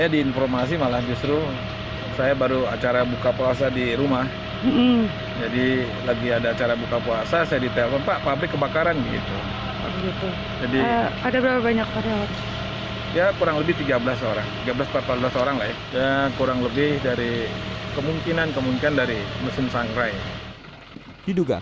diduga kebakaran dipicu oleh karyawan